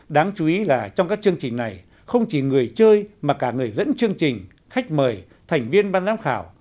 đáng chú ý là trong các chương trình này không chỉ người chơi mà cả người dẫn chương trình khách mời thành viên ban giám khảo